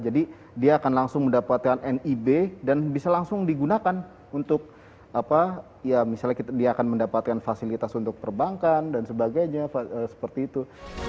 jadi dia akan langsung mendapatkan nib dan bisa langsung digunakan untuk misalnya dia akan mendapatkan fasilitas untuk perbankan dan sebagainya seperti itu